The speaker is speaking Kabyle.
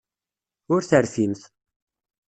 Ur terfimt.